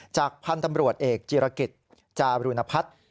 จากพันธุ์ตำรวจเอกจิรกิจจารุณพัฒน์